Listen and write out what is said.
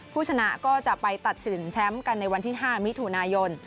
ผู้ชนะก็จะไปตัดสินแชมป์กันในวันที่๕มิถุนายน